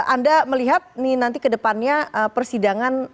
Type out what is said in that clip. anda melihat ini nanti kedepannya persidangan